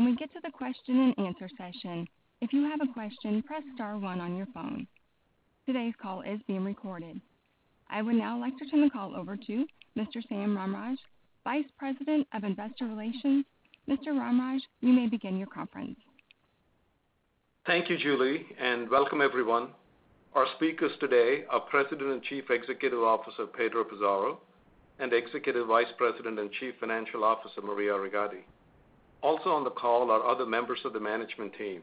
When we get to the question-and-answer session, if you have a question, press star one on your phone. Today's call is being recorded. I would now like to turn the call over to Mr. Sam Ramraj, Vice President of Investor Relations. Mr. Ramraj, you may begin your conference. Thank you, Julie, and welcome, everyone. Our speakers today are President and Chief Executive Officer Pedro Pizarro and Executive Vice President and Chief Financial Officer Maria Rigatti. Also on the call are other members of the management team.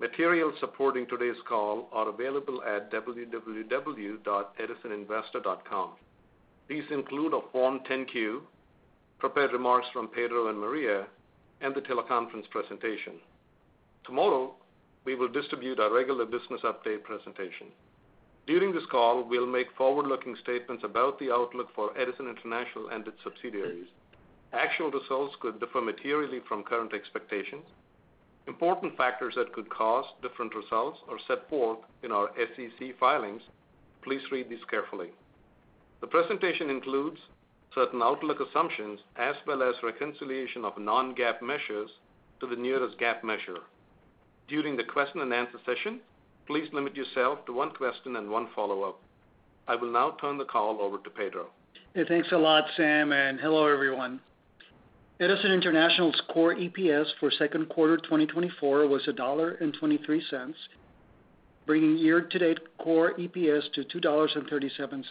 Materials supporting today's call are available at www.edisoninvestor.com. These include a Form 10-Q, prepared remarks from Pedro and Maria, and the teleconference presentation. Tomorrow, we will distribute our regular business update presentation. During this call, we'll make forward-looking statements about the outlook for Edison International and its subsidiaries. Actual results could differ materially from current expectations. Important factors that could cause different results are set forth in our SEC filings. Please read these carefully. The presentation includes certain outlook assumptions as well as reconciliation of non-GAAP measures to the nearest GAAP measure. During the question-and-answer session, please limit yourself to one question and one follow-up. I will now turn the call over to Pedro. Hey, thanks a lot, Sam, and hello, everyone. Edison International's Core EPS for second quarter 2024 was $1.23, bringing year-to-date Core EPS to $2.37.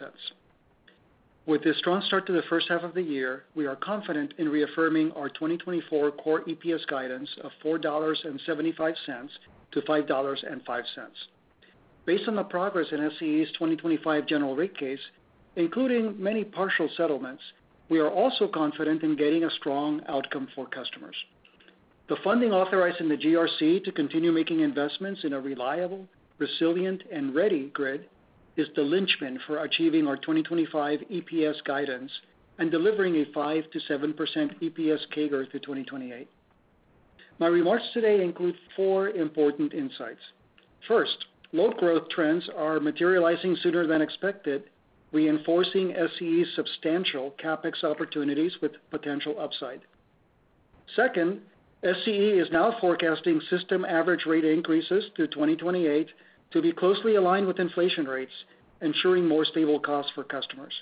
With this strong start to the first half of the year, we are confident in reaffirming our 2024 Core EPS guidance of $4.75-$5.05. Based on the progress in SCE's 2025 general rate case, including many partial settlements, we are also confident in getting a strong outcome for customers. The funding authorized in the GRC to continue making investments in a reliable, resilient, and ready grid is the linchpin for achieving our 2025 EPS guidance and delivering a 5%-7% EPS CAGR through 2028. My remarks today include four important insights. First, load growth trends are materializing sooner than expected, reinforcing SCE's substantial CapEx opportunities with potential upside. Second, SCE is now forecasting system average rate increases through 2028 to be closely aligned with inflation rates, ensuring more stable costs for customers.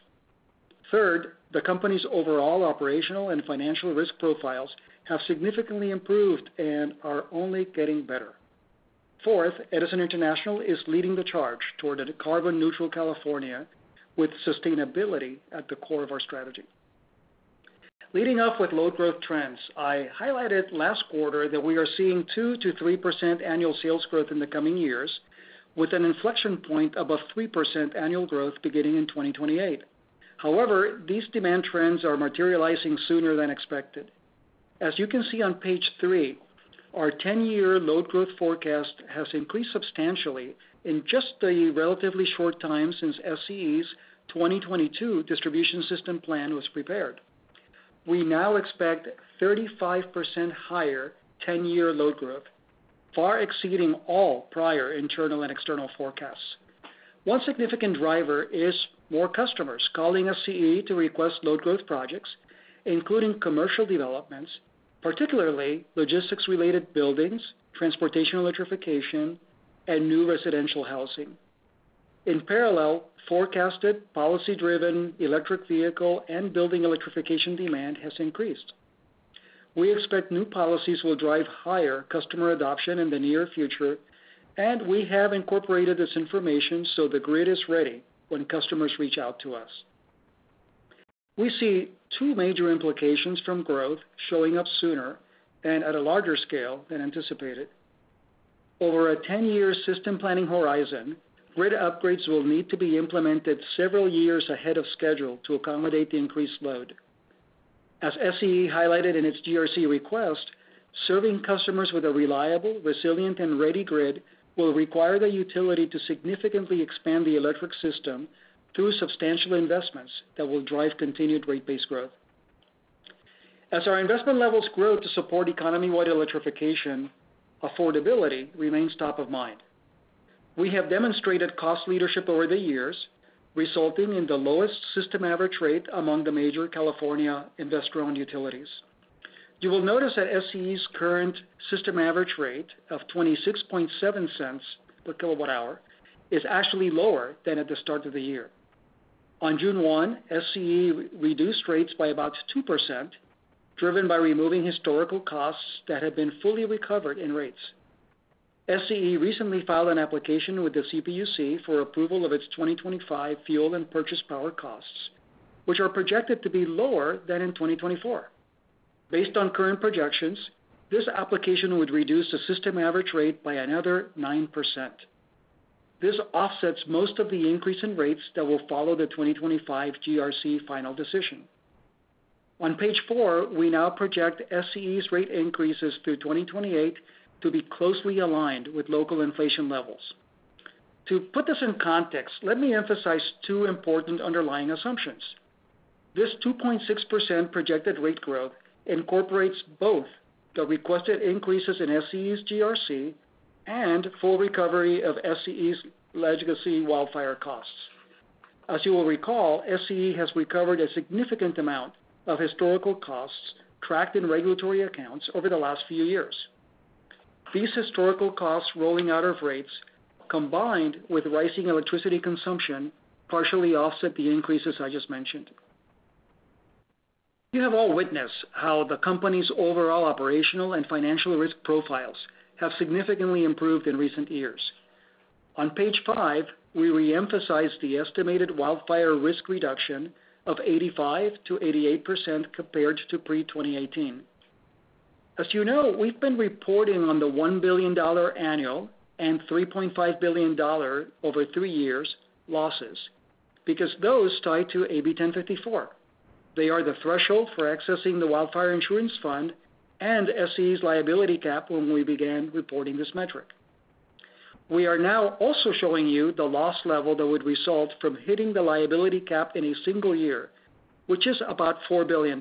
Third, the company's overall operational and financial risk profiles have significantly improved and are only getting better. Fourth, Edison International is leading the charge toward a carbon-neutral California with sustainability at the core of our strategy. Leading off with load growth trends, I highlighted last quarter that we are seeing 2%-3% annual sales growth in the coming years, with an inflection point above 3% annual growth beginning in 2028. However, these demand trends are materializing sooner than expected. As you can see on page 3, our 10-year load growth forecast has increased substantially in just the relatively short time since SCE's 2022 Distribution System Plan was prepared. We now expect 35% higher 10-year load growth, far exceeding all prior internal and external forecasts. One significant driver is more customers calling SCE to request load growth projects, including commercial developments, particularly logistics-related buildings, transportation electrification, and new residential housing. In parallel, forecasted policy-driven electric vehicle and building electrification demand has increased. We expect new policies will drive higher customer adoption in the near future, and we have incorporated this information so the grid is ready when customers reach out to us. We see two major implications from growth showing up sooner and at a larger scale than anticipated. Over a 10-year system planning horizon, grid upgrades will need to be implemented several years ahead of schedule to accommodate the increased load. As SCE highlighted in its GRC request, serving customers with a reliable, resilient, and ready grid will require the utility to significantly expand the electric system through substantial investments that will drive continued rate-based growth. As our investment levels grow to support economy-wide electrification, affordability remains top of mind. We have demonstrated cost leadership over the years, resulting in the lowest system average rate among the major California investor-owned utilities. You will notice that SCE's current system average rate of $0.267 per kWh is actually lower than at the start of the year. On June 1, SCE reduced rates by about 2%, driven by removing historical costs that have been fully recovered in rates. SCE recently filed an application with the CPUC for approval of its 2025 fuel and purchase power costs, which are projected to be lower than in 2024. Based on current projections, this application would reduce the system average rate by another 9%. This offsets most of the increase in rates that will follow the 2025 GRC final decision. On page four, we now project SCE's rate increases through 2028 to be closely aligned with local inflation levels. To put this in context, let me emphasize two important underlying assumptions. This 2.6% projected rate growth incorporates both the requested increases in SCE's GRC and full recovery of SCE's legacy wildfire costs. As you will recall, SCE has recovered a significant amount of historical costs tracked in regulatory accounts over the last few years. These historical costs rolling out of rates, combined with rising electricity consumption, partially offset the increases I just mentioned. You have all witnessed how the company's overall operational and financial risk profiles have significantly improved in recent years. On page five, we reemphasize the estimated wildfire risk reduction of 85%-88% compared to pre-2018. As you know, we've been reporting on the $1 billion annual and $3.5 billion over three years losses because those tie to AB 1054. They are the threshold for accessing the Wildfire Insurance Fund and SCE's liability cap when we began reporting this metric. We are now also showing you the loss level that would result from hitting the liability cap in a single year, which is about $4 billion.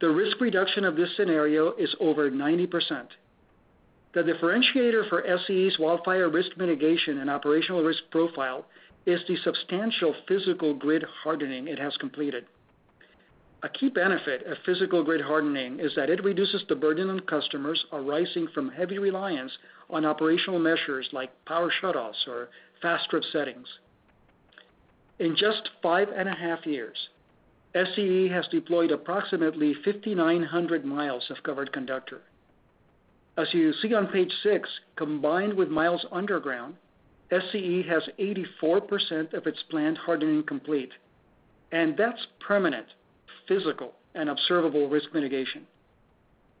The risk reduction of this scenario is over 90%. The differentiator for SCE's wildfire risk mitigation and operational risk profile is the substantial physical grid hardening it has completed. A key benefit of physical grid hardening is that it reduces the burden on customers arising from heavy reliance on operational measures like power shutoffs or fast trip settings. In just 5.5 years, SCE has deployed approximately 5,900 miles of covered conductor. As you see on page 6, combined with miles underground, SCE has 84% of its planned hardening complete, and that's permanent, physical, and observable risk mitigation.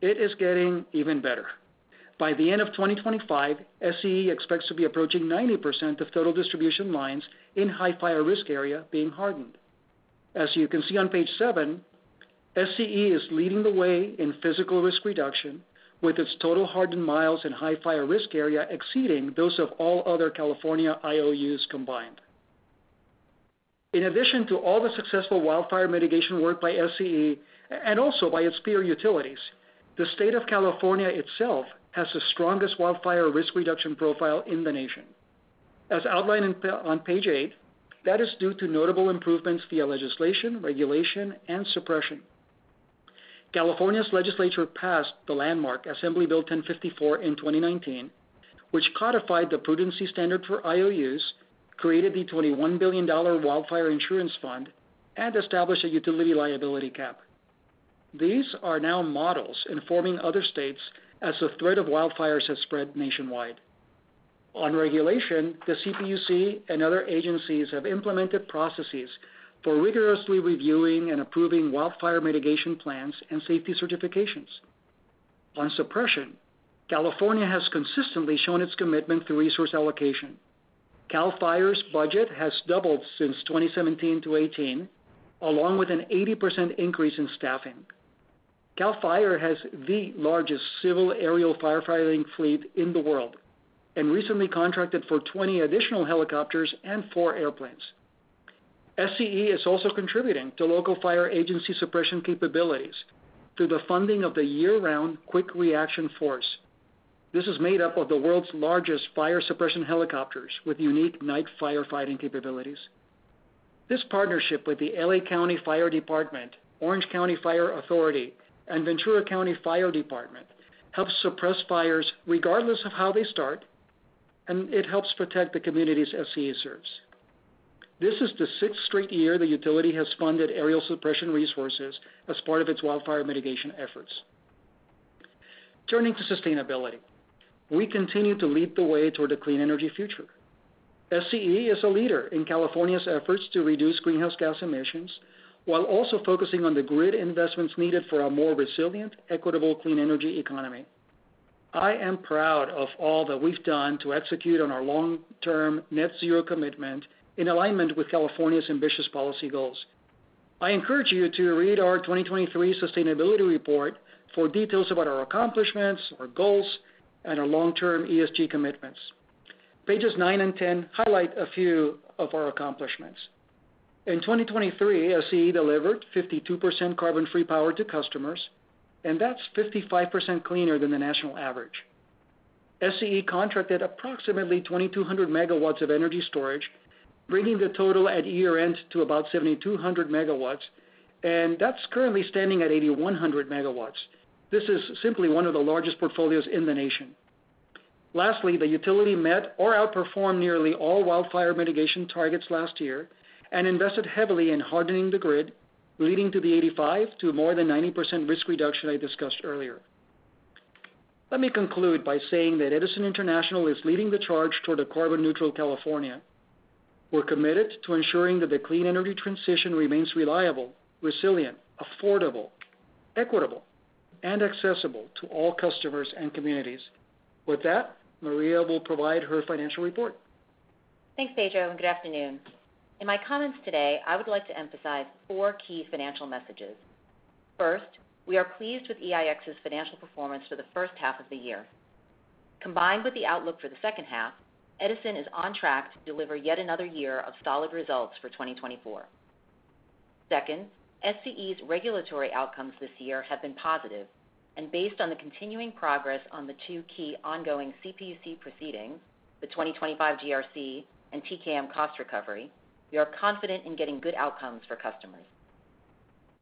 It is getting even better. By the end of 2025, SCE expects to be approaching 90% of total distribution lines in high fire risk area being hardened. As you can see on page 7, SCE is leading the way in physical risk reduction, with its total hardened miles in high fire risk area exceeding those of all other California IOUs combined. In addition to all the successful wildfire mitigation work by SCE and also by its peer utilities, the state of California itself has the strongest wildfire risk reduction profile in the nation. As outlined on page 8, that is due to notable improvements via legislation, regulation, and suppression. California's legislature passed the landmark Assembly Bill 1054 in 2019, which codified the prudency standard for IOUs, created the $21 billion Wildfire Insurance Fund, and established a utility liability cap. These are now models informing other states as the threat of wildfires has spread nationwide. On regulation, the CPUC and other agencies have implemented processes for rigorously reviewing and approving wildfire mitigation plans and safety certifications. On suppression, California has consistently shown its commitment to resource allocation. Cal Fire's budget has doubled since 2017 to 2018, along with an 80% increase in staffing. Cal Fire has the largest civil aerial firefighting fleet in the world and recently contracted for 20 additional helicopters and 4 airplanes. SCE is also contributing to local fire agency suppression capabilities through the funding of the year-round Quick Reaction Force. This is made up of the world's largest fire suppression helicopters with unique night firefighting capabilities. This partnership with the Los Angeles County Fire Department, Orange County Fire Authority, and Ventura County Fire Department helps suppress fires regardless of how they start, and it helps protect the communities SCE serves. This is the sixth straight year the utility has funded aerial suppression resources as part of its wildfire mitigation efforts. Turning to sustainability, we continue to lead the way toward a clean energy future. SCE is a leader in California's efforts to reduce greenhouse gas emissions while also focusing on the grid investments needed for a more resilient, equitable clean energy economy. I am proud of all that we've done to execute on our long-term net-zero commitment in alignment with California's ambitious policy goals. I encourage you to read our 2023 Sustainability Report for details about our accomplishments, our goals, and our long-term ESG commitments. Pages nine and 10 highlight a few of our accomplishments. In 2023, SCE delivered 52% carbon-free power to customers, and that's 55% cleaner than the national average. SCE contracted approximately 2,200 MW of energy storage, bringing the total at year-end to about 7,200 MW, and that's currently standing at 8,100 MW. This is simply one of the largest portfolios in the nation. Lastly, the utility met or outperformed nearly all wildfire mitigation targets last year and invested heavily in hardening the grid, leading to the 85% to more than 90% risk reduction I discussed earlier. Let me conclude by saying that Edison International is leading the charge toward a carbon-neutral California. We're committed to ensuring that the clean energy transition remains reliable, resilient, affordable, equitable, and accessible to all customers and communities. With that, Maria Rigatti will provide her financial report. Thanks, Pedro. Good afternoon. In my comments today, I would like to emphasize four key financial messages. First, we are pleased with EIX's financial performance for the first half of the year. Combined with the outlook for the second half, Edison is on track to deliver yet another year of solid results for 2024. Second, SCE's regulatory outcomes this year have been positive, and based on the continuing progress on the two key ongoing CPUC proceedings, the 2025 GRC and TKM cost recovery, we are confident in getting good outcomes for customers.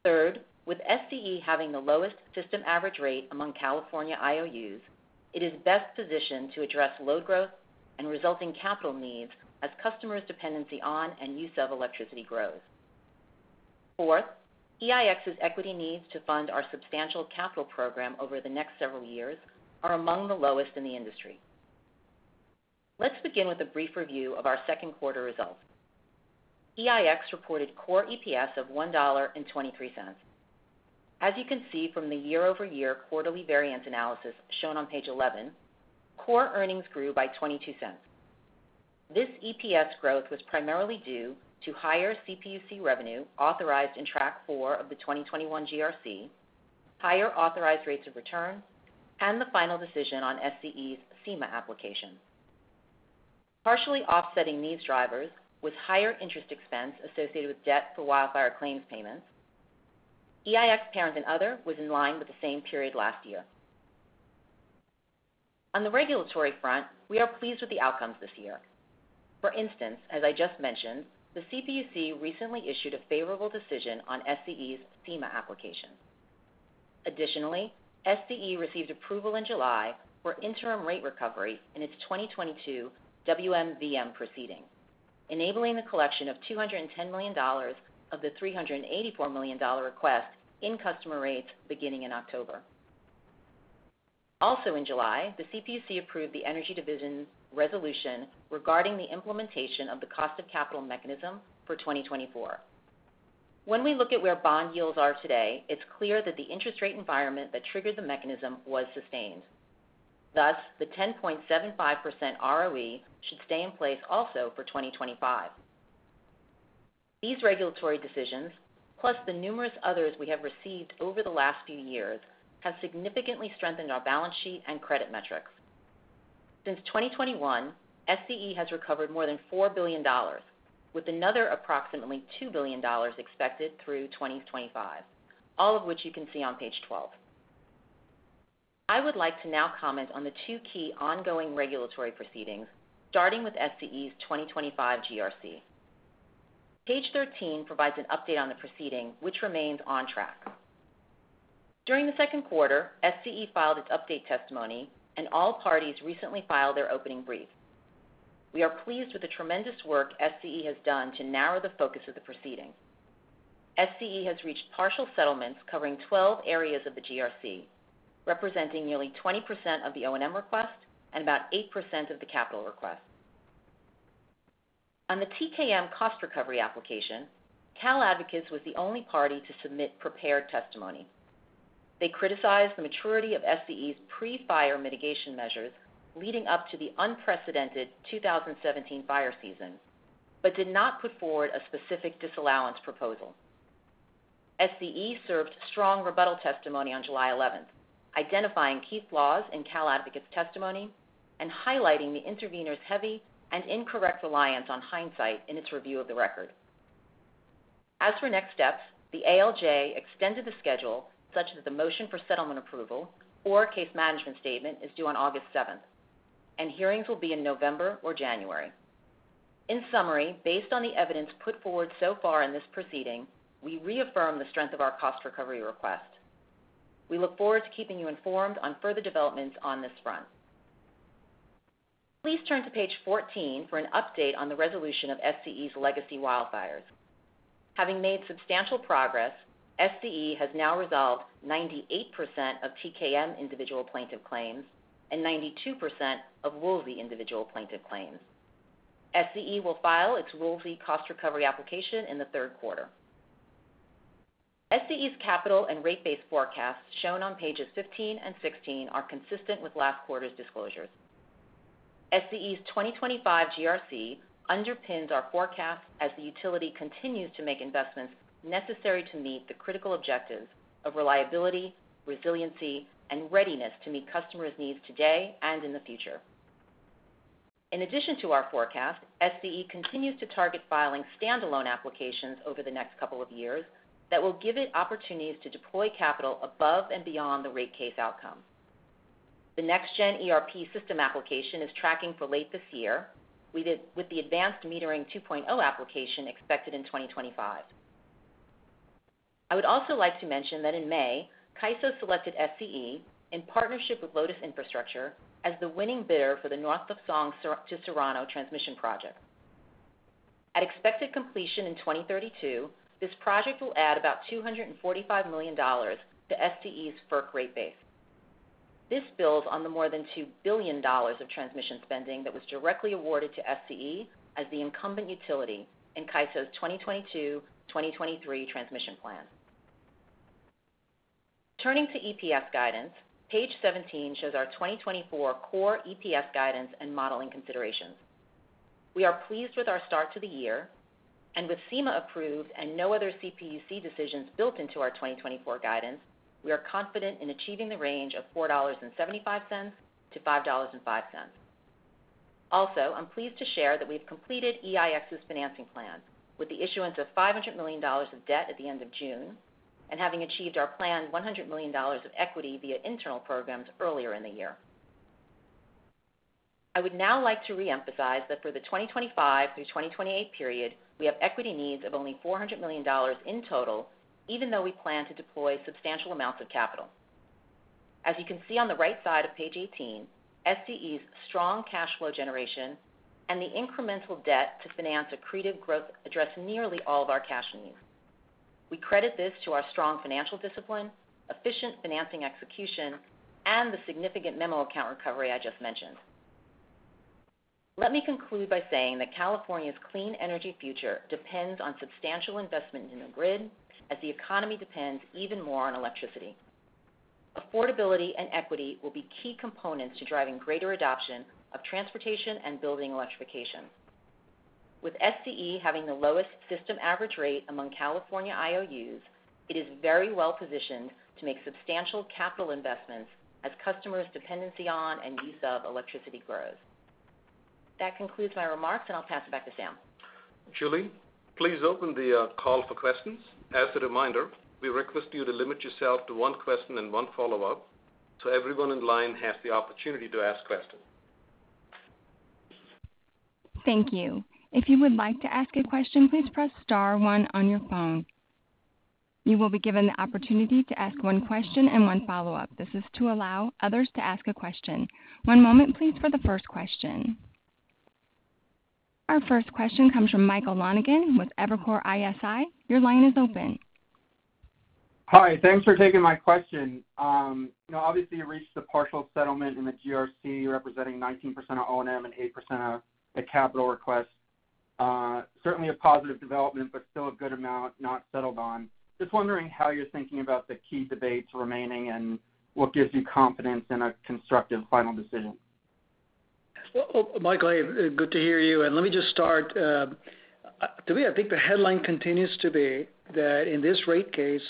Third, with SCE having the lowest system average rate among California IOUs, it is best positioned to address load growth and resulting capital needs as customers' dependency on and use of electricity grows. Fourth, EIX's equity needs to fund our substantial capital program over the next several years are among the lowest in the industry. Let's begin with a brief review of our second quarter results. EIX reported core EPS of $1.23. As you can see from the year-over-year quarterly variance analysis shown on page 11, core earnings grew by $0.22. This EPS growth was primarily due to higher CPUC revenue authorized in Track 4 of the 2021 GRC, higher authorized rates of return, and the final decision on SCE's CEMA application. Partially offsetting these drivers with higher interest expense associated with debt for wildfire claims payments, EIX parent and other was in line with the same period last year. On the regulatory front, we are pleased with the outcomes this year. For instance, as I just mentioned, the CPUC recently issued a favorable decision on SCE's CEMA application. Additionally, SCE received approval in July for interim rate recovery in its 2022 WMVM proceeding, enabling the collection of $210 million of the $384 million request in customer rates beginning in October. Also in July, the CPUC approved the Energy Division's resolution regarding the implementation of the cost of capital mechanism for 2024. When we look at where bond yields are today, it's clear that the interest rate environment that triggered the mechanism was sustained. Thus, the 10.75% ROE should stay in place also for 2025. These regulatory decisions, plus the numerous others we have received over the last few years, have significantly strengthened our balance sheet and credit metrics. Since 2021, SCE has recovered more than $4 billion, with another approximately $2 billion expected through 2025, all of which you can see on page 12. I would like to now comment on the two key ongoing regulatory proceedings, starting with SCE's 2025 GRC. Page 13 provides an update on the proceeding, which remains on track. During the second quarter, SCE filed its update testimony, and all parties recently filed their opening brief. We are pleased with the tremendous work SCE has done to narrow the focus of the proceeding. SCE has reached partial settlements covering 12 areas of the GRC, representing nearly 20% of the O&M request and about 8% of the capital request. On the TKM cost recovery application, Cal Advocates was the only party to submit prepared testimony. They criticized the maturity of SCE's pre-fire mitigation measures leading up to the unprecedented 2017 fire season but did not put forward a specific disallowance proposal. SCE served strong rebuttal testimony on July 11, identifying key flaws in Cal Advocates' testimony and highlighting the intervenor's heavy and incorrect reliance on hindsight in its review of the record. As for next steps, the ALJ extended the schedule, such as the motion for settlement approval or case management statement is due on August 7, and hearings will be in November or January. In summary, based on the evidence put forward so far in this proceeding, we reaffirm the strength of our cost recovery request. We look forward to keeping you informed on further developments on this front. Please turn to page 14 for an update on the resolution of SCE's legacy wildfires. Having made substantial progress, SCE has now resolved 98% of TKM individual plaintiff claims and 92% of Woolsey individual plaintiff claims. SCE will file its Woolsey cost recovery application in the third quarter. SCE's capital and rate base forecasts shown on pages 15 and 16 are consistent with last quarter's disclosures. SCE's 2025 GRC underpins our forecast as the utility continues to make investments necessary to meet the critical objectives of reliability, resiliency, and readiness to meet customers' needs today and in the future. In addition to our forecast, SCE continues to target filing standalone applications over the next couple of years that will give it opportunities to deploy capital above and beyond the rate case outcome. The NextGen ERP system application is tracking for late this year, with the Advanced Metering 2.0 application expected in 2025. I would also like to mention that in May, CAISO selected SCE in partnership with Lotus Infrastructure as the winning bidder for the North of SONGS to Serrano transmission project. At expected completion in 2032, this project will add about $245 million to SCE's FERC rate base. This builds on the more than $2 billion of transmission spending that was directly awarded to SCE as the incumbent utility in CAISO's 2022-2023 transmission plan. Turning to EPS guidance, page 17 shows our 2024 core EPS guidance and modeling considerations. We are pleased with our start to the year, and with CEMA approved and no other CPUC decisions built into our 2024 guidance, we are confident in achieving the range of $4.75-$5.05. Also, I'm pleased to share that we've completed EIX's financing plan with the issuance of $500 million of debt at the end of June and having achieved our planned $100 million of equity via internal programs earlier in the year. I would now like to reemphasize that for the 2025 through 2028 period, we have equity needs of only $400 million in total, even though we plan to deploy substantial amounts of capital. As you can see on the right side of page 18, SCE's strong cash flow generation and the incremental debt to finance accretive growth address nearly all of our cash needs. We credit this to our strong financial discipline, efficient financing execution, and the significant memo account recovery I just mentioned. Let me conclude by saying that California's clean energy future depends on substantial investment in the grid, as the economy depends even more on electricity. Affordability and equity will be key components to driving greater adoption of transportation and building electrification. With SCE having the lowest system average rate among California IOUs, it is very well positioned to make substantial capital investments as customers' dependency on and use of electricity grows. That concludes my remarks, and I'll pass it back to Sam. Julie, please open the call for questions. As a reminder, we request you to limit yourself to one question and one follow-up so everyone in line has the opportunity to ask questions. Thank you. If you would like to ask a question, please press star one on your phone. You will be given the opportunity to ask one question and one follow-up. This is to allow others to ask a question. One moment, please, for the first question. Our first question comes from Michael Lonegan with Evercore ISI. Your line is open. Hi. Thanks for taking my question. Obviously, you reached the partial settlement in the GRC, representing 19% of O&M and 8% of the capital request. Certainly a positive development, but still a good amount not settled on. Just wondering how you're thinking about the key debates remaining and what gives you confidence in a constructive final decision. Well, Michael, good to hear you. And let me just start. To me, I think the headline continues to be that in this rate case,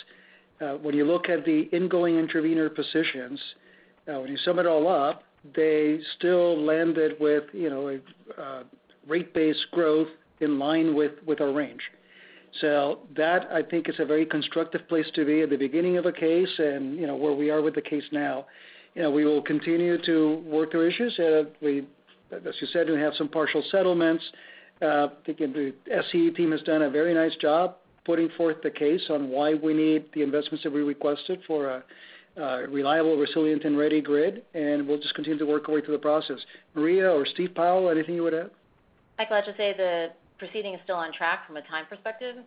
when you look at the ingoing intervenor positions, when you sum it all up, they still landed with rate-based growth in line with our range. So that, I think, is a very constructive place to be at the beginning of a case and where we are with the case now. We will continue to work through issues. As you said, we have some partial settlements. I think the SCE team has done a very nice job putting forth the case on why we need the investments that we requested for a reliable, resilient, and ready grid, and we'll just continue to work our way through the process. Maria or Steve Powell, anything you would add? I'd like to say the proceeding is still on track from a time perspective.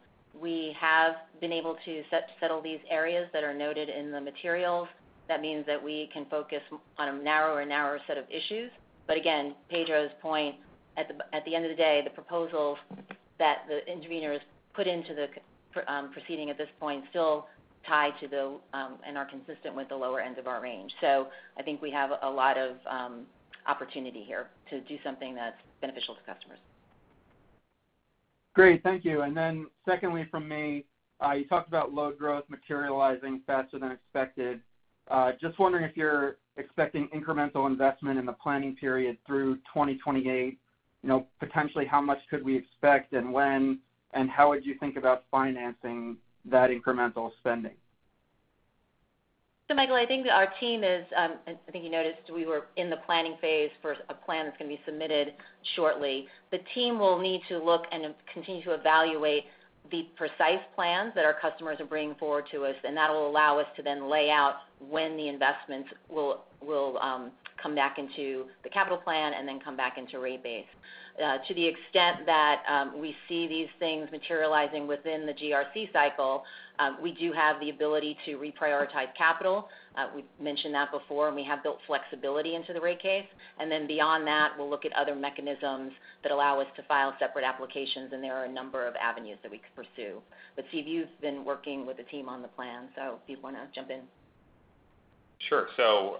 We have been able to settle these areas that are noted in the materials. That means that we can focus on a narrower and narrower set of issues. But again, Pedro's point, at the end of the day, the proposals that the intervenor has put into the proceeding at this point still tie to the and are consistent with the lower end of our range. So I think we have a lot of opportunity here to do something that's beneficial to customers. Great. Thank you. And then secondly from me, you talked about load growth materializing faster than expected. Just wondering if you're expecting incremental investment in the planning period through 2028. Potentially, how much could we expect and when, and how would you think about financing that incremental spending? So, Michael, I think our team is—I think you noticed we were in the planning phase for a plan that's going to be submitted shortly. The team will need to look and continue to evaluate the precise plans that our customers are bringing forward to us, and that will allow us to then lay out when the investments will come back into the capital plan and then come back into rate base. To the extent that we see these things materializing within the GRC cycle, we do have the ability to reprioritize capital. We mentioned that before, and we have built flexibility into the rate case. And then beyond that, we'll look at other mechanisms that allow us to file separate applications, and there are a number of avenues that we could pursue. Steve, you've been working with the team on the plan, so if you want to jump in. Sure. So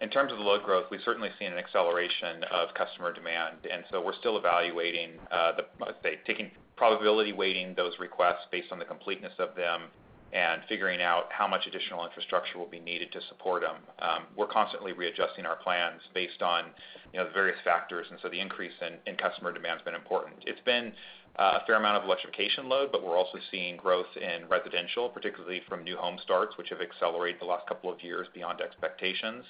in terms of the load growth, we've certainly seen an acceleration of customer demand, and so we're still evaluating, let's say, taking probability weighting those requests based on the completeness of them and figuring out how much additional infrastructure will be needed to support them. We're constantly readjusting our plans based on the various factors, and so the increase in customer demand has been important. It's been a fair amount of electrification load, but we're also seeing growth in residential, particularly from new home starts, which have accelerated the last couple of years beyond expectations.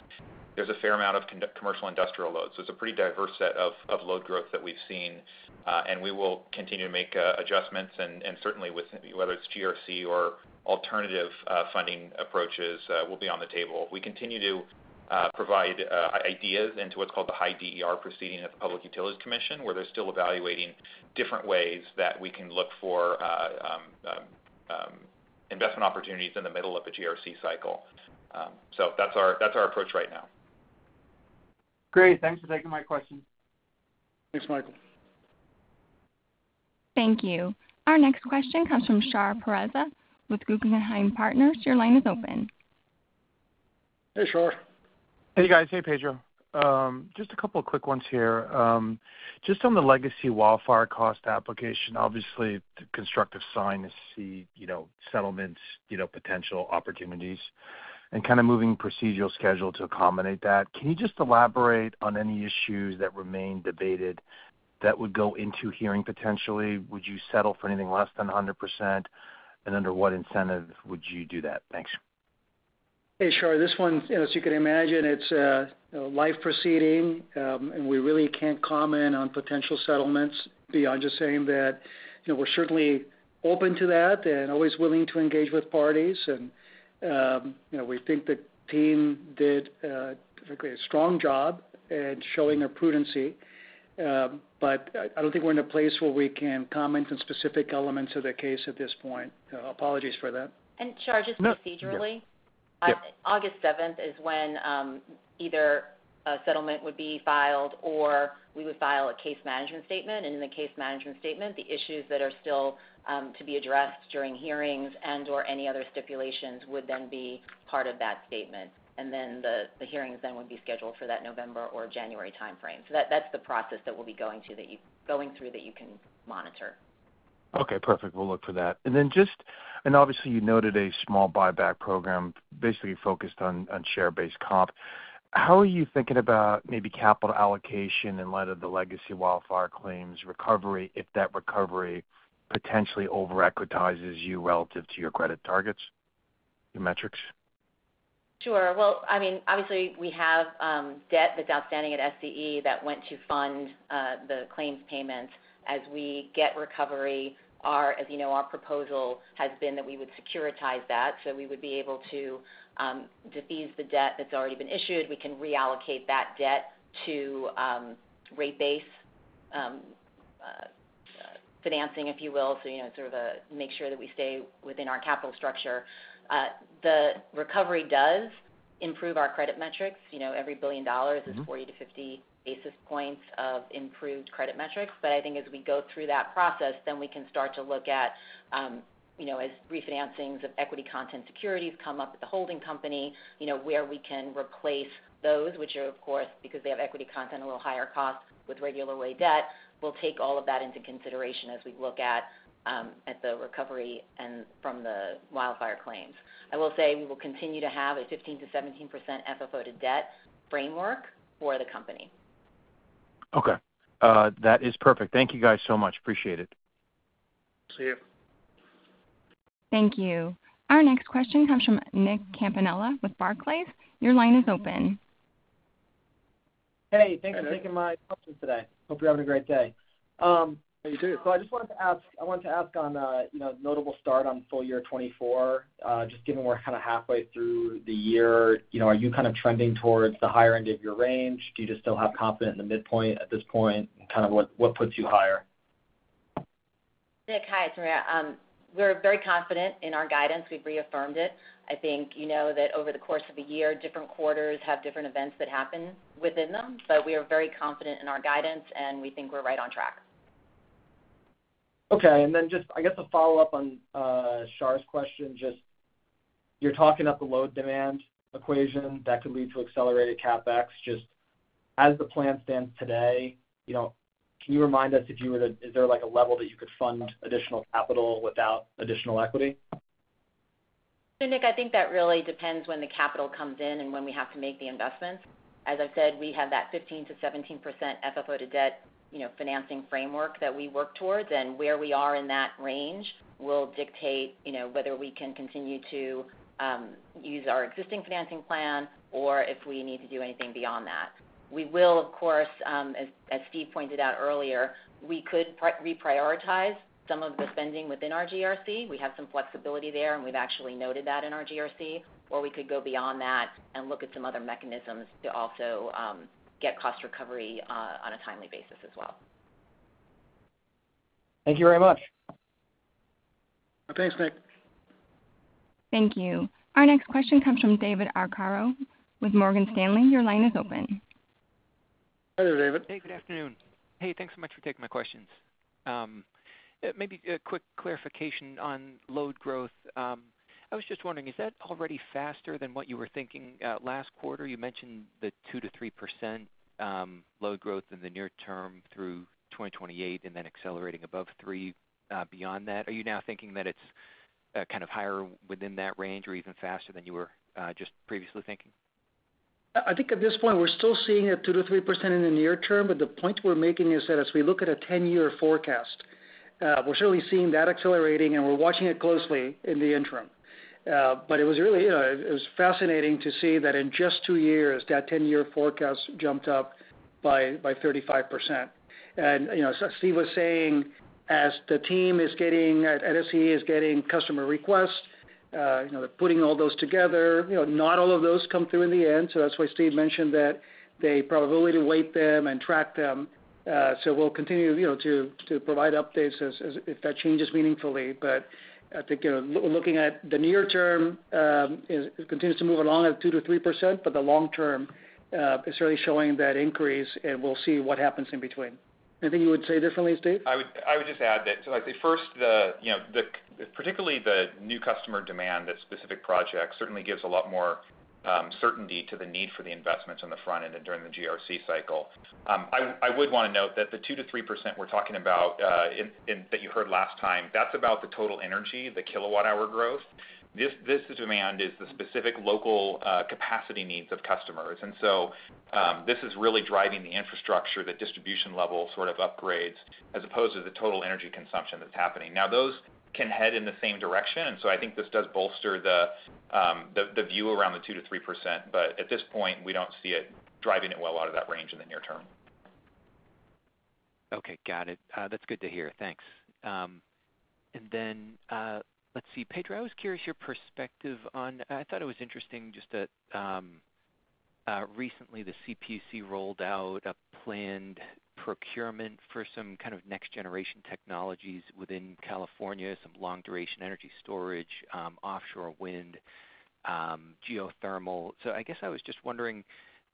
There's a fair amount of commercial industrial load. So it's a pretty diverse set of load growth that we've seen, and we will continue to make adjustments, and certainly, whether it's GRC or alternative funding approaches, will be on the table. We continue to provide ideas into what's called the High DER proceeding at the Public Utilities Commission, where they're still evaluating different ways that we can look for investment opportunities in the middle of a GRC cycle. That's our approach right now. Great. Thanks for taking my question. Thanks, Michael. Thank you. Our next question comes from Shahriar Pourreza. With Guggenheim Partners, your line is open. Hey, Shar. Hey, guys. Hey, Pedro. Just a couple of quick ones here. Just on the legacy wildfire cost application, obviously, the constructive sign is to see settlements, potential opportunities, and kind of moving procedural schedule to accommodate that. Can you just elaborate on any issues that remain debated that would go into hearing potentially? Would you settle for anything less than 100%, and under what incentive would you do that? Thanks. Hey, Shar. This one, as you can imagine, it's a live proceeding, and we really can't comment on potential settlements beyond just saying that we're certainly open to that and always willing to engage with parties. And we think the team did a strong job in showing their prudency, but I don't think we're in a place where we can comment on specific elements of the case at this point. Apologies for that. Shar, just procedurally. No. August 7 is when either a settlement would be filed or we would file a case management statement, and in the case management statement, the issues that are still to be addressed during hearings and/or any other stipulations would then be part of that statement. Then the hearings then would be scheduled for that November or January timeframe. That's the process that we'll be going through that you can monitor. Okay. Perfect. We'll look for that. And obviously, you noted a small buyback program, basically focused on share-based comp. How are you thinking about maybe capital allocation in light of the legacy wildfire claims recovery, if that recovery potentially over-advertises you relative to your credit targets, your metrics? Sure. Well, I mean, obviously, we have debt that's outstanding at SCE that went to fund the claims payments. As we get recovery, our proposal has been that we would securitize that so we would be able to defease the debt that's already been issued. We can reallocate that debt to rate-based financing, if you will, so sort of make sure that we stay within our capital structure. The recovery does improve our credit metrics. Every $1 billion is 40-50 basis points of improved credit metrics. But I think as we go through that process, then we can start to look at, as refinancings of equity content securities come up at the holding company, where we can replace those, which are, of course, because they have equity content, a little higher cost with regular way debt. We'll take all of that into consideration as we look at the recovery from the wildfire claims. I will say we will continue to have a 15%-17% FFO to debt framework for the company. Okay. That is perfect. Thank you guys so much. Appreciate it. Thank you. Thank you. Our next question comes from Nick Campanella with Barclays. Your line is open. Hey. Thanks for taking my question today. Hope you're having a great day. How are you doing? So, I just wanted to ask on a notable start on full year 2024, just given we're kind of halfway through the year. Are you kind of trending towards the higher end of your range? Do you just still have confidence in the midpoint at this point? Kind of what puts you higher? Nick, hi. It's Maria. We're very confident in our guidance. We've reaffirmed it. I think you know that over the course of a year, different quarters have different events that happen within them, but we are very confident in our guidance, and we think we're right on track. Okay. And then just, I guess, a follow-up on Shar's question. Just you're talking about the load demand equation that could lead to accelerated CapEx. Just as the plan stands today, can you remind us if you were to is there a level that you could fund additional capital without additional equity? So, Nick, I think that really depends when the capital comes in and when we have to make the investments. As I've said, we have that 15%-17% FFO to debt financing framework that we work towards, and where we are in that range will dictate whether we can continue to use our existing financing plan or if we need to do anything beyond that. We will, of course, as Steve pointed out earlier. We could reprioritize some of the spending within our GRC. We have some flexibility there, and we've actually noted that in our GRC, or we could go beyond that and look at some other mechanisms to also get cost recovery on a timely basis as well. Thank you very much. Thanks, Nick. Thank you. Our next question comes from David Arcaro with Morgan Stanley. Your line is open. Hi there, David. Hey, good afternoon. Hey, thanks so much for taking my questions. Maybe a quick clarification on load growth. I was just wondering, is that already faster than what you were thinking last quarter? You mentioned the 2%-3% load growth in the near term through 2028 and then accelerating above 3%. Beyond that, are you now thinking that it's kind of higher within that range or even faster than you were just previously thinking? I think at this point, we're still seeing a 2%-3% in the near term, but the point we're making is that as we look at a 10-year forecast, we're certainly seeing that accelerating, and we're watching it closely in the interim. But it was really fascinating to see that in just two years, that 10-year forecast jumped up by 35%. Steve was saying, as the team at SCE is getting customer requests, they're putting all those together. Not all of those come through in the end, so that's why Steve mentioned that they probably will weigh them and track them. So we'll continue to provide updates if that changes meaningfully. But I think looking at the near term, it continues to move along at 2%-3%, but the long term is certainly showing that increase, and we'll see what happens in between. Anything you would say differently, Steve? I would just add that, so I'd say first, particularly the new customer demand at specific projects certainly gives a lot more certainty to the need for the investments on the front end and during the GRC cycle. I would want to note that the 2%-3% we're talking about that you heard last time, that's about the total energy, the kilowatt-hour growth. This demand is the specific local capacity needs of customers. And so this is really driving the infrastructure, the distribution level sort of upgrades, as opposed to the total energy consumption that's happening. Now, those can head in the same direction, and so I think this does bolster the view around the 2%-3%, but at this point, we don't see it driving it well out of that range in the near term. Okay. Got it. That's good to hear. Thanks. And then let's see. Pedro, I was curious your perspective on I thought it was interesting just that recently the CPUC rolled out a planned procurement for some kind of next-generation technologies within California, some long-duration energy storage, offshore wind, geothermal. So I guess I was just wondering,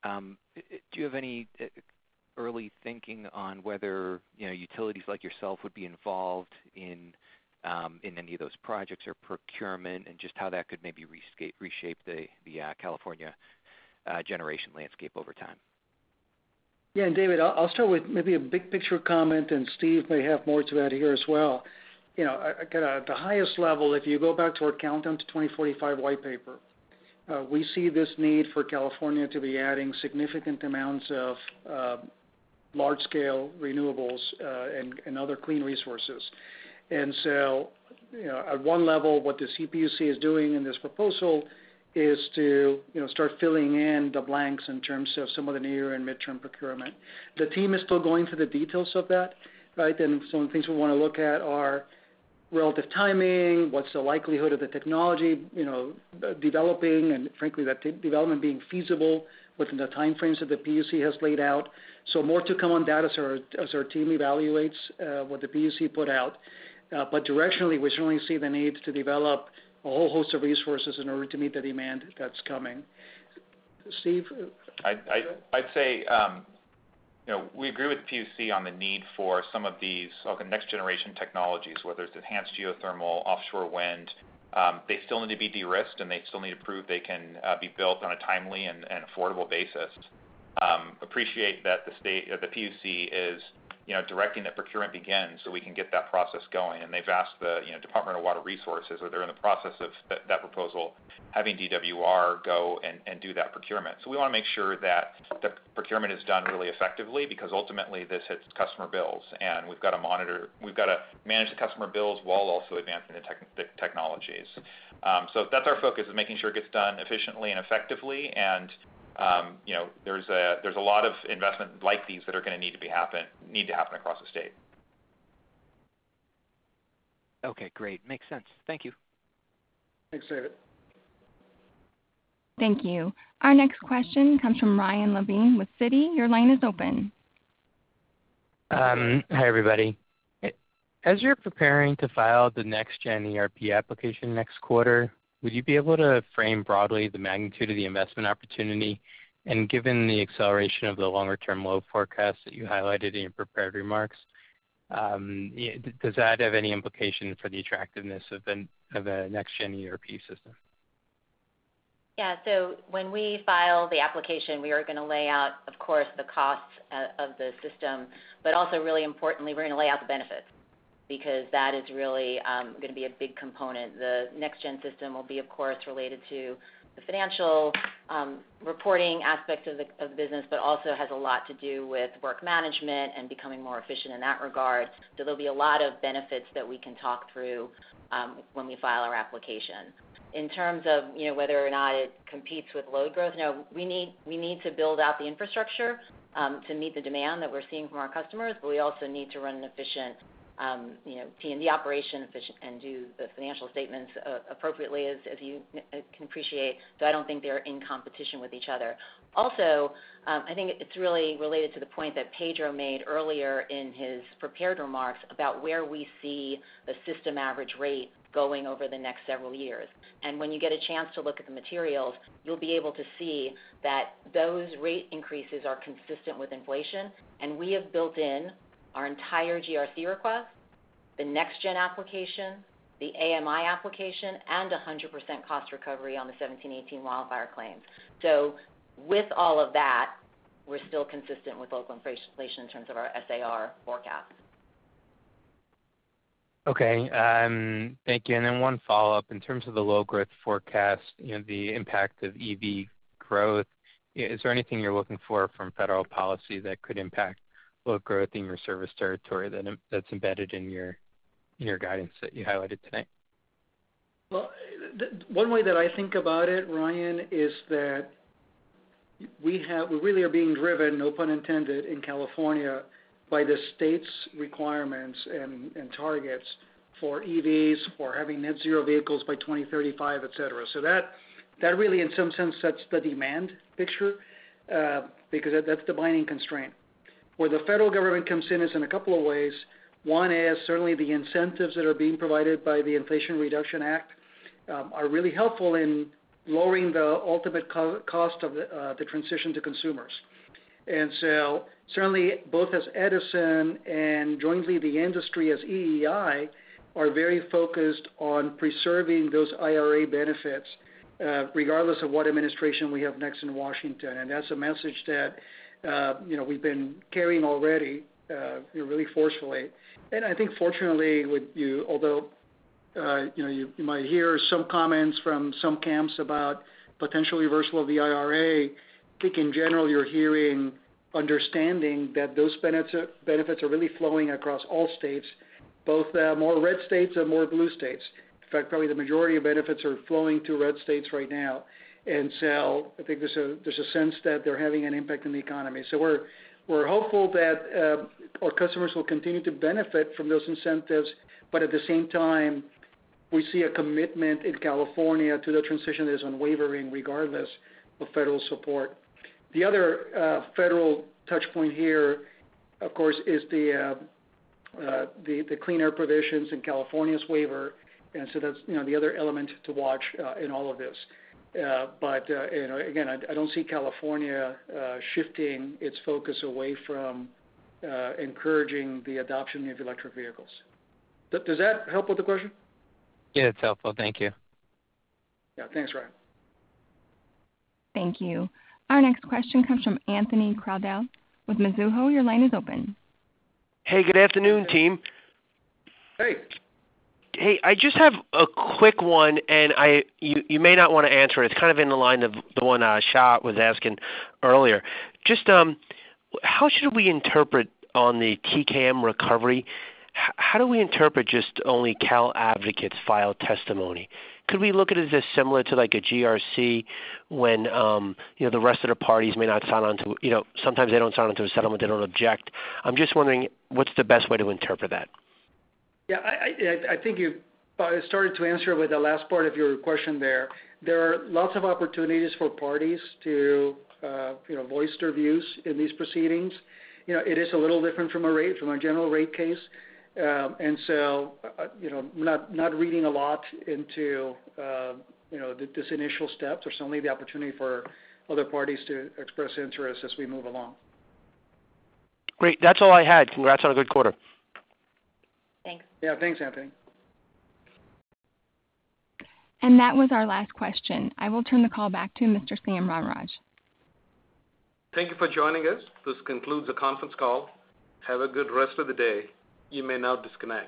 do you have any early thinking on whether utilities like yourself would be involved in any of those projects or procurement and just how that could maybe reshape the California generation landscape over time? Yeah. And David, I'll start with maybe a big-picture comment, and Steve may have more to add here as well. At the highest level, if you go back to our Countdown to 2045 white paper, we see this need for California to be adding significant amounts of large-scale renewables and other clean resources. And so at one level, what the CPUC is doing in this proposal is to start filling in the blanks in terms of some of the near and midterm procurement. The team is still going through the details of that, right? And some of the things we want to look at are relative timing, what's the likelihood of the technology developing, and frankly, that development being feasible within the timeframes that the PUC has laid out. So more to come on that as our team evaluates what the PUC put out. But directionally, we certainly see the need to develop a whole host of resources in order to meet the demand that's coming. Steve. I'd say we agree with the PUC on the need for some of these next-generation technologies, whether it's enhanced geothermal, offshore wind. They still need to be de-risked, and they still need to prove they can be built on a timely and affordable basis. Appreciate that the PUC is directing that procurement begin so we can get that process going. And they've asked the Department of Water Resources that they're in the process of that proposal, having DWR go and do that procurement. So we want to make sure that the procurement is done really effectively because ultimately, this hits customer bills, and we've got to monitor. We've got to manage the customer bills while also advancing the technologies. So that's our focus, is making sure it gets done efficiently and effectively, and there's a lot of investment like these that are going to need to happen across the state. Okay. Great. Makes sense. Thank you. Thanks, David. Thank you. Our next question comes from Ryan Levine with Citi. Your line is open. Hi, everybody. As you're preparing to file the next-gen ERP application next quarter, would you be able to frame broadly the magnitude of the investment opportunity? Given the acceleration of the longer-term load forecast that you highlighted in your prepared remarks, does that have any implication for the attractiveness of a next-gen ERP system? Yeah. So when we file the application, we are going to lay out, of course, the costs of the system, but also, really importantly, we're going to lay out the benefits because that is really going to be a big component. The next-gen system will be, of course, related to the financial reporting aspect of the business, but also has a lot to do with work management and becoming more efficient in that regard. So there'll be a lot of benefits that we can talk through when we file our application. In terms of whether or not it competes with load growth, no. We need to build out the infrastructure to meet the demand that we're seeing from our customers, but we also need to run an efficient T&D operation and do the financial statements appropriately, as you can appreciate. So I don't think they're in competition with each other. Also, I think it's really related to the point that Pedro made earlier in his prepared remarks about where we see the system average rate going over the next several years. When you get a chance to look at the materials, you'll be able to see that those rate increases are consistent with inflation, and we have built in our entire GRC request, the next-gen application, the AMI application, and 100% cost recovery on the 2017/2018 wildfire claims. With all of that, we're still consistent with local inflation in terms of our SAR forecast. Okay. Thank you. And then one follow-up. In terms of the load growth forecast, the impact of EV growth, is there anything you're looking for from federal policy that could impact load growth in your service territory that's embedded in your guidance that you highlighted today? Well, one way that I think about it, Ryan, is that we really are being driven, no pun intended, in California by the state's requirements and targets for EVs, for having net-zero vehicles by 2035, etc. So that really, in some sense, sets the demand picture because that's the binding constraint. Where the federal government comes in is in a couple of ways. One is certainly the incentives that are being provided by the Inflation Reduction Act are really helpful in lowering the ultimate cost of the transition to consumers. And so certainly, both as Edison and jointly the industry as EEI are very focused on preserving those IRA benefits regardless of what administration we have next in Washington. And that's a message that we've been carrying already really forcefully. I think, fortunately, although you might hear some comments from some camps about potential reversal of the IRA, I think in general you're hearing understanding that those benefits are really flowing across all states, both more red states and more blue states. In fact, probably the majority of benefits are flowing to red states right now. I think there's a sense that they're having an impact on the economy. We're hopeful that our customers will continue to benefit from those incentives, but at the same time, we see a commitment in California to the transition that is unwavering regardless of federal support. The other federal touchpoint here, of course, is the clean air provisions in California's waiver. That's the other element to watch in all of this. But again, I don't see California shifting its focus away from encouraging the adoption of electric vehicles. Does that help with the question? Yeah, it's helpful. Thank you. Yeah. Thanks, Ryan. Thank you. Our next question comes from Anthony Crowdell with Mizuho. Your line is open. Hey, good afternoon, team. Hey. Hey, I just have a quick one, and you may not want to answer it. It's kind of in the line of the one Shar was asking earlier. Just how should we interpret the TKM recovery? How do we interpret just only Cal Advocates' filed testimony? Could we look at it as similar to a GRC when the rest of the parties may not sign onto sometimes they don't sign onto a settlement, they don't object. I'm just wondering, what's the best way to interpret that? Yeah. I think you started to answer with the last part of your question there. There are lots of opportunities for parties to voice their views in these proceedings. It is a little different from a general rate case. And so I'm not reading a lot into this initial step. There's certainly the opportunity for other parties to express interest as we move along. Great. That's all I had. Congrats on a good quarter. Thanks. Yeah. Thanks, Anthony. That was our last question. I will turn the call back to Mr. Sam Ramraj. Thank you for joining us. This concludes the conference call. Have a good rest of the day. You may now disconnect.